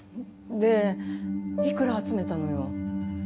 でいくら集めたのよ？